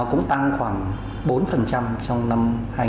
cũng tăng khoảng bốn trong năm hai nghìn hai mươi